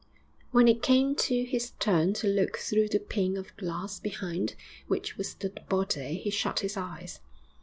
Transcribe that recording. When it came to his turn to look through the pane of glass behind which was the body, he shut his eyes.